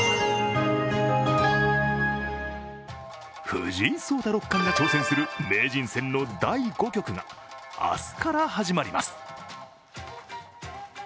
藤井聡太六冠が挑戦する名人戦の第５局が明日から始まります。